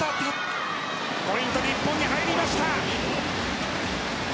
ポイント、日本に入りました。